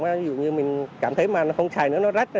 ví dụ như mình cảm thấy mà không chạy nữa nó rách